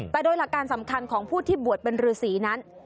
แต่โดยหลักการสำคัญของผู้ที่บวชเป็นฤษีนั้น